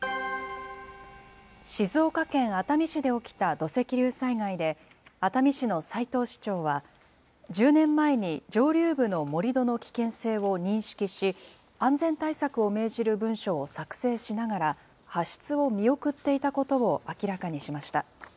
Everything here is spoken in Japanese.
静岡県熱海市で起きた土石流災害で、熱海市の斉藤市長は、１０年前に上流部の盛り土の危険性を認識し、安全対策を命じる文書を作成しながら、発出を見送っていたことを明らかにしました。